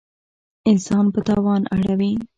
انسان په تاوان اړوي.